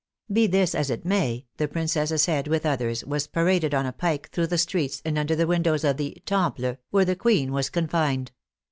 Be this as it may, the princess's head, with others, was paraded on a pike through the streets and under the windows of the " Temple," where the queen was confined.